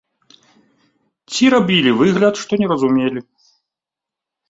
Ці рабілі выгляд, што не разумелі.